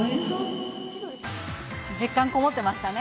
実感込もってましたね。